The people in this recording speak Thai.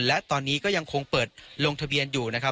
และตอนนี้ก็ยังคงเปิดลงทะเบียนอยู่นะครับ